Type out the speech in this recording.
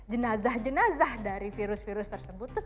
jenazah jenazah dari virus virus tersebut